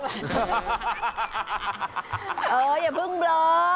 โหอย่าพึ่งเบลอ